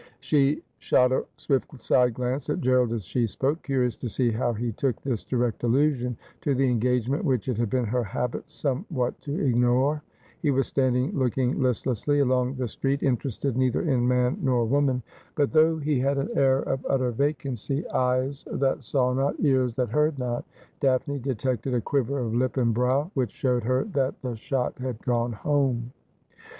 She shot a swift side glance at Gerald as she spoke, curious to see how he took this direct allusion to an engagement which it had been her habit somewhat to ignore. He was standing looking listlessly along the street, interested neither in man nor woman ; but though he had an air of utter vacancy, eyes that 302 Asphodel. saw not, ears that heard not, Daphne detected a quiver of lip and brow, which showed her that the shot had gone home.